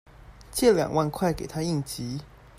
借兩萬塊給她應急